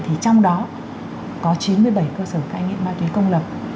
thì trong đó có chín mươi bảy cơ sở cai nghiện ma túy công lập